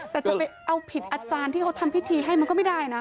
แต่จะไปเอาผิดอาจารย์ที่เขาทำพิธีให้มันก็ไม่ได้นะ